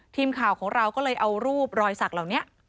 ทีมข่าวของเราก็เลยเอารูปรอยสักเหล่านี้